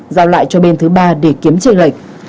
giao lại cho bên thứ ba để kiếm trợ lệch